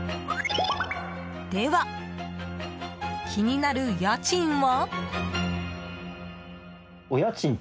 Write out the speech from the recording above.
では、気になる家賃は。